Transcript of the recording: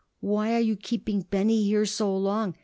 "Why are you keeping Benny here so long?"